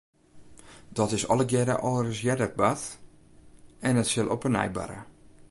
Dat is allegearre al ris earder bard en it sil op 'e nij barre.